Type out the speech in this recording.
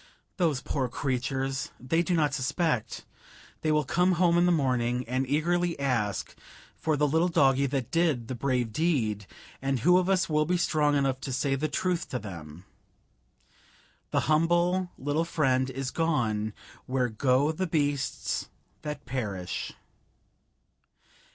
"Those poor creatures! They do not suspect. They will come home in the morning, and eagerly ask for the little doggie that did the brave deed, and who of us will be strong enough to say the truth to them: 'The humble little friend is gone where go the beasts that perish.'"